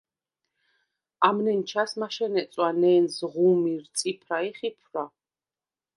ამ ნენჩას მაშენე წვა ნენზ, ღუმირ, წიფრა ი ფიხვრა.